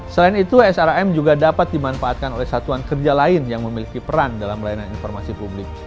selain itu sam juga dapat dimanfaatkan oleh satuan kerja lain yang memiliki peran dalam layanan informasi publik